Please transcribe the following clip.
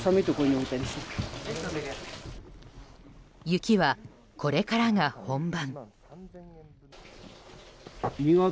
雪は、これからが本番。